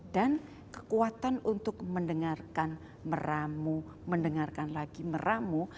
dan kekuatan untuk mendengarkan meramu mendengarkan lagi meramu